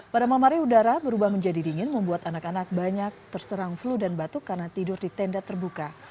pada memari udara berubah menjadi dingin membuat anak anak banyak terserang flu dan batuk karena tidur di tenda terbuka